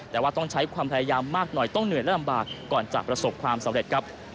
แต่ว่าต้องใช้ความพยายามมากหน่อยต้องเหนื่อยและลำบากก่อนจะประสบความสำเร็จครับ